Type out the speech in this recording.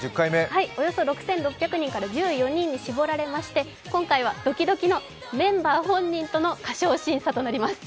およそ６６００人からおよそ１４人に絞られまして今回はドキドキのメンバー本人との歌唱審査となります。